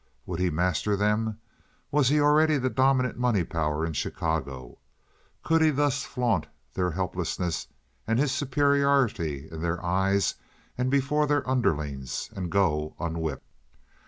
Would he master them? Was he already the dominant money power in Chicago? Could he thus flaunt their helplessness and his superiority in their eyes and before their underlings and go unwhipped?